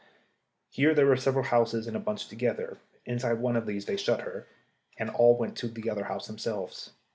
Here there were several houses in a bunch together. Inside one of these they shut her, and then all went in to another house themselves.